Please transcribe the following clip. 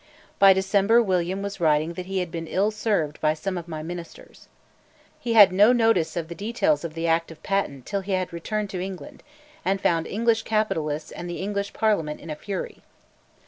By December William was writing that he "had been ill served by some of my Ministers." He had no notice of the details of the Act of Patent till he had returned to England, and found English capitalists and the English Parliament in a fury.